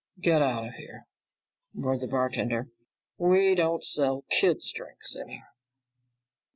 "Get out of here," roared the bartender. "We don't sell kids' drinks in here."